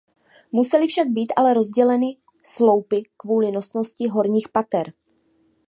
Musely však být ale rozděleny sloupy kvůli nosnosti horních pater.